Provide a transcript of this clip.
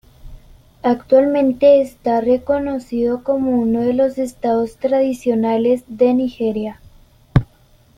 Actualmente está reconocido como uno de los Estados tradicionales de Nigeria.